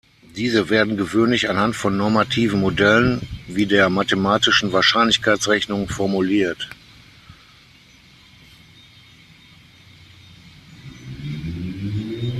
Diese werden gewöhnlich anhand von normativen Modellen wie der mathematischen Wahrscheinlichkeitsrechnung formuliert.